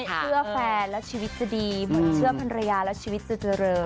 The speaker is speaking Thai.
เชื่อแฟนแล้วชีวิตจะดีเชื่อพรรยาแล้วชีวิตจะเริ่ม